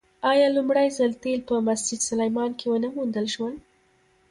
آیا لومړی ځل تیل په مسجد سلیمان کې ونه موندل شول؟